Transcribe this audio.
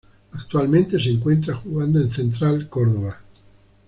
Actualmente, se encuentra jugando en Central Córdoba.